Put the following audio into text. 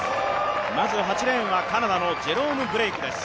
まず８レーンはカナダのジェロム・ブレークです。